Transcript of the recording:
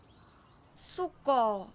そっか。